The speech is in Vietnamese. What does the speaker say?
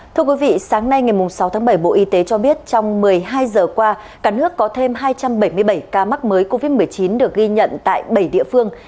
thưa quý vị sáng nay ngày sáu tháng bảy bộ y tế cho biết trong một mươi hai giờ qua cả nước có thêm hai trăm bảy mươi bảy ca mắc mới covid một mươi chín được ghi nhận tại bảy địa phương